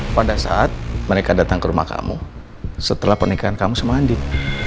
pada saat mereka datang ke rumah kamu setelah pernikahan kamu semandi